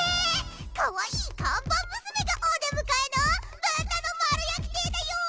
かわいい看板娘がお出迎えの豚の丸焼き亭だよ！